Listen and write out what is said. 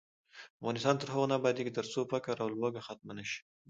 افغانستان تر هغو نه ابادیږي، ترڅو فقر او لوږه ختمه نشي.